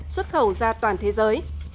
xuất khẩu ra toàn thế giới